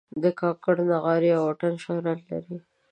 د کاکړ نغارې او اتڼ شهرت لري.